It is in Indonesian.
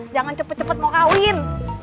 jangan cepet cepet mau kawin